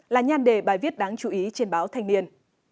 là nhan đề bài viết đáng chú ý trên báo thanh niên